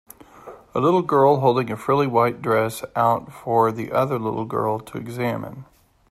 A little girl holding a frilly white dress out for the other little girl to examine.